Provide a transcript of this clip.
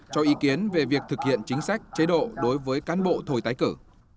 cho ý kiến về việc thực hiện chính sách chế độ đối với cán bộ thôi tái cử